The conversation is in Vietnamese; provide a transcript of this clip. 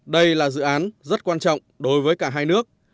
đây là dự án rất quan trọng đối với cả hai nước